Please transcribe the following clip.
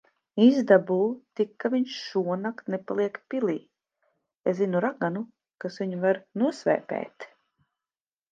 Izdabū tik, ka viņš šonakt nepaliek pilī. Es zinu raganu, kas viņu var nosvēpēt.